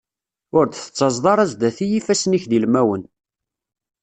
Ur d-tettaẓeḍ ara zdat-i ifassen-ik d ilmawen.